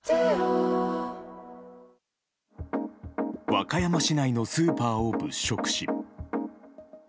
和歌山市内のスーパーを物色し。